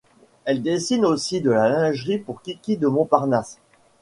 Elle dessine aussi de la lingerie pour Kiki de Montparnasse.